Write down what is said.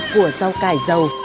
của rau cải giàu